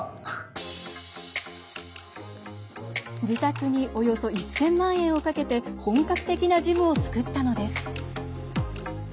自宅におよそ１０００万円をかけて本格的なジムを作ったのです。